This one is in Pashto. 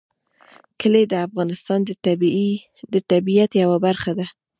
کلي د افغانستان د طبیعت یوه برخه ده.